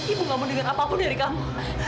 ibu gak mendingan apapun dari kamu